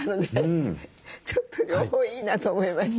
ちょっと両方いいなと思います。